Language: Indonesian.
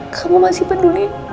kamu masih peduli